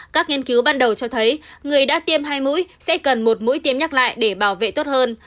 các nghiên cứu ban đầu cho thấy người đã tiêm hai mũi sẽ cần một mũi tiêm nhắc lại để bảo vệ tốt hơn